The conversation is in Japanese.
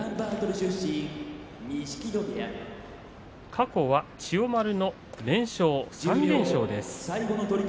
過去は千代丸の連勝３連勝です。